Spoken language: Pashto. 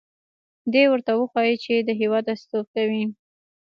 دې ورته وښيي چې د هېواد استازیتوب کوي.